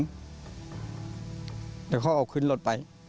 เดี๋ยวเขาเอาขึ้นรถไป